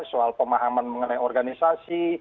soal pemahaman mengenai organisasi